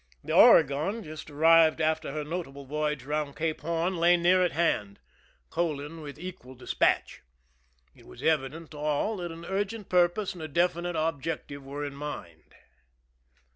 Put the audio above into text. The Oregon, just arrived after her notable voyage around Cape Horn, lay near at hand, coaling with equal ^ 1 THE SINKING OF THE "MERRIMAC" despatch. It was evident to all that an urgent pur pose and a definite objective were in mind.